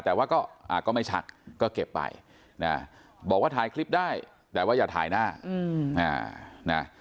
แต่ว่าก็ไม่ชักก็เก็บไปนะบอกว่าถ่ายคลิปได้แต่ว่าอย่าถ่ายหน้านะ